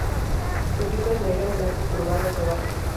Su pico es negro, largo y curvado hacia abajo.